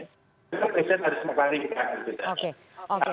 tapi presiden harus menggariskan ke presiden